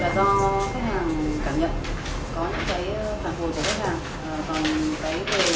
công dụng là do khách hàng cảm nhận có những cái phản hồi của khách hàng